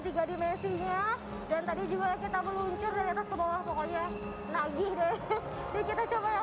tiga dimensinya dan tadi juga kita meluncur dari atas ke bawah pokoknya nagih deh kita coba yang